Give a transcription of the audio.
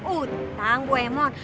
utang bu emon